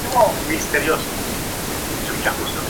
Historical community